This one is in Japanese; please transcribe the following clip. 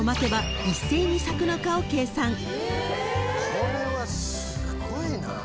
これはすごいな。